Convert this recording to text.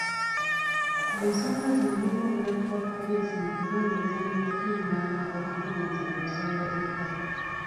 Mu nsonga zino mulimu obunafu bwa poliisi mu kunoonyereza n’okukungaanya obujulizi ku nsonga z’ettaka